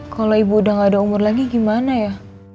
kalau ibu udah gak ada umur lagi gimana ya